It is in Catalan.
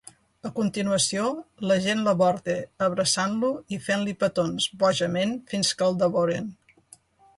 A continuació, la gent l'aborda, abraçant-lo i fent-li petons bojament fins que el devoren.